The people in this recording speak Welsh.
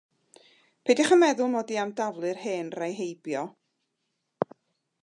Peidiwch â meddwl mod i am daflu'r hen rai heibio.